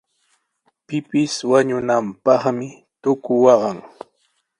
Pipis wañunanpaqmi tuku waqan.